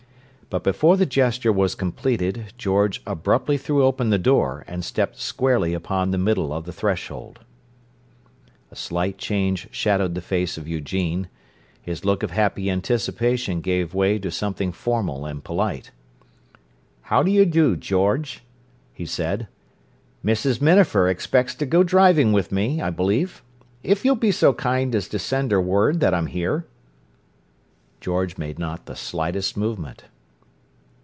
But before the gesture was completed George abruptly threw open the door, and stepped squarely upon the middle of the threshold. A slight change shadowed the face of Eugene; his look of happy anticipation gave way to something formal and polite. "How do you do, George," he said. "Mrs. Minafer expects to go driving with me, I believe—if you'll be so kind as to send her word that I'm here." George made not the slightest movement.